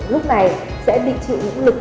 lúc này sẽ bị chịu lực